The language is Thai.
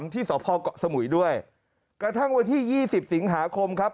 ที่สพเกาะสมุยด้วยกระทั่งวันที่๒๐สิงหาคมครับ